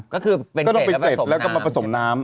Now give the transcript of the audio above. ก็คือเป็นเกล็ดแล้วก็มาผสมน้ำ